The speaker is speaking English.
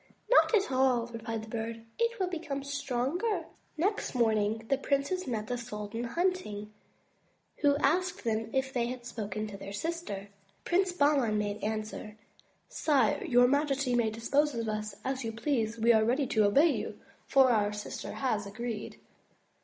"Not at all," replied the Bird. "It will become stronger." Next morning the princes met the sultan hunting, who asked them if they had spoken to their sister. Prince Bahman made answer: "Sire, your majesty may dispose of us as you please; we are ready to obey you, for our sister has agreed."